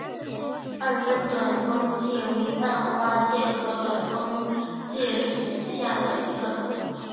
二分短蜂介为半花介科短蜂介属下的一个种。